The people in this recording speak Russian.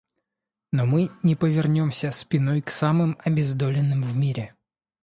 Но мы не повернемся спиной к самым обездоленным в мире.